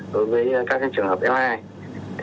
đối với các trường hợp f hai